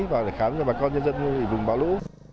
và khám cho bà con nhân dân vùng bão lũ